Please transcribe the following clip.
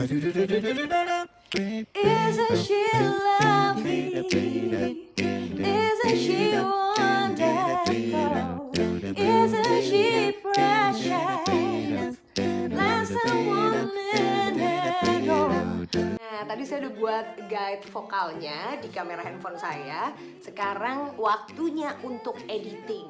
nah tadi saya udah buat guide vokalnya di kamera handphone saya sekarang waktunya untuk editing